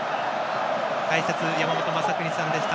解説は山本昌邦さんでした。